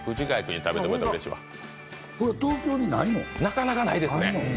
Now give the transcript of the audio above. なかなかないですね。